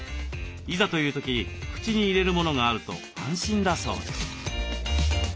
いざという時口に入れるものがあると安心だそうです。